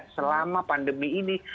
selama pandemi ini